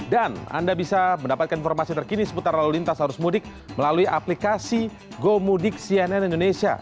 dan anda bisa mendapatkan informasi terkini seputar lalu lintas harus mudik melalui aplikasi gomudik cnn indonesia